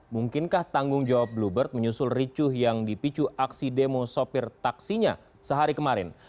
mungkinkah tanggung jawab bluebird menyusul ricuh yang dipicu aksi demo sopir taksinya sehari kemarin